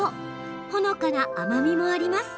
ほのかな甘みもあります。